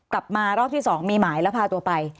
กลับมารอบที่๒มีหมายแล้วพาตัวไป